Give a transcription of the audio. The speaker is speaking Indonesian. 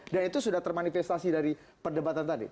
dan itu sudah termanifestasi dari perdebatan tadi